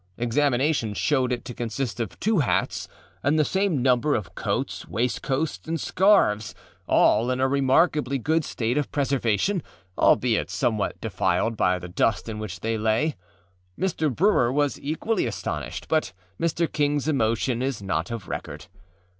Examination showed it to consist of two hats, and the same number of coats, waistcoats and scarves, all in a remarkably good state of preservation, albeit somewhat defiled by the dust in which they lay. Mr. Brewer was equally astonished, but Mr. Kingâs emotion is not of record.